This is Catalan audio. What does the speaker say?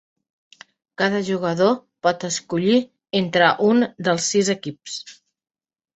Cada jugador pot escollir entre un dels sis equips.